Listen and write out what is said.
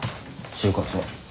就活は。